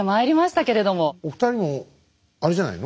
お二人もあれじゃないの？